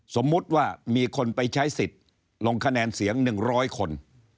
สมมุติว่ามีคนไปใช้สิทธิ์ลงคะแนนเสียง๑๐๐คน